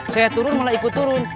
saya turun malah ikut turun